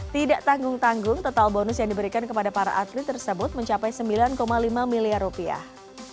tidak tanggung tanggung total bonus yang diberikan kepada para atlet tersebut mencapai sembilan lima miliar rupiah